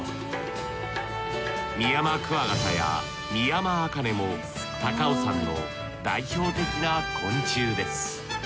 ミヤマクワガタやミヤマアカネも高尾山の代表的な昆虫です